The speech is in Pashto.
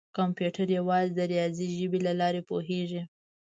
کمپیوټر یوازې د ریاضي ژبې له لارې پوهېږي.